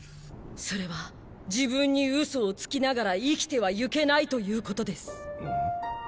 それは自分にウソをつきながら生きてはゆけないということです。